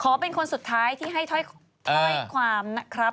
เป็นคนสุดท้ายที่ให้ถ้อยความนะครับ